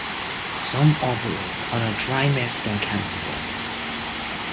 Some operate on a trimester calendar.